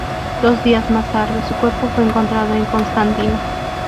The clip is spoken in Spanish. Dos días más tarde, su cuerpo fue encontrado en Constantina.